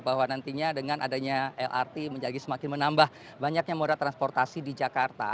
bahwa nantinya dengan adanya lrt menjadi semakin menambah banyaknya moda transportasi di jakarta